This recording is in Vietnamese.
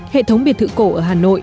hệ thống biệt thự cổ ở hà nội